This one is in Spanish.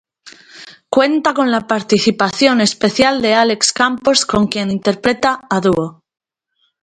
Cuenta con la participación especial de Alex Campos con quien interpreta a dúo.